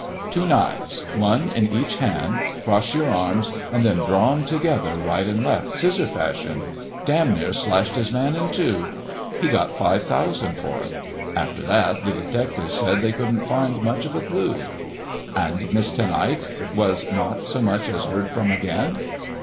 "Two knives—one in each hand—cross your arms and then draw 'em together, right and left, scissor fashion—damn near slashed his man in two. He got five thousand for it. After that the detectives said they couldn't find much of a clue." "And Miss Ten Eyck was not so much as heard from again?"